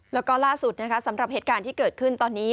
แล้วก็ล่าสุดนะคะสำหรับเหตุการณ์ที่เกิดขึ้นตอนนี้